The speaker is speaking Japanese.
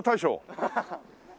アハハハ。